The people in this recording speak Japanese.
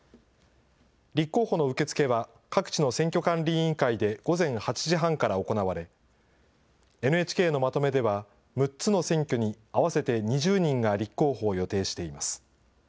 立候補の受け付けは、各地の選挙管理委員会で午前８時半から行われ、ＮＨＫのまとめでは、６つの選挙に合わせて２０人が立候補を予定しています。